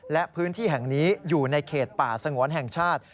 และพื้นที่แห่งนี้อยู่ในเขตป่าสงวนแห่งชาติ